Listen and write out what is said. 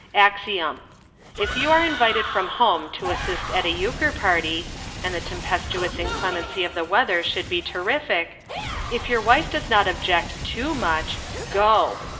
Axiom. — If you are invited from home to assist at a Euchre party, and the tempestuous inclemency of the weather should be terrific, if your wife does not object too much, — go.